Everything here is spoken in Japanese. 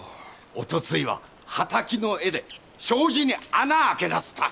おとついははたきの柄で障子に穴開けなすった。